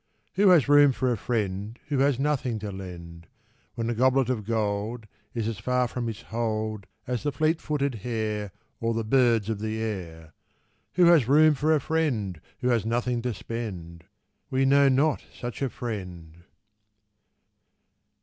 Who has room for a friend Who has nothing to lend, When the goblet of gold Is as far from his hold As the fleet footed hare, Or the birds of the air. Who has room for a friend Who has nothing to spend? We know not such a friend.